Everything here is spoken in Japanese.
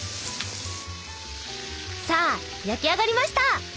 さあ焼き上がりました！